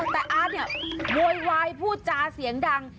แต่อาร์ตเนี่ยโวยวายพูดจาเสียงดัง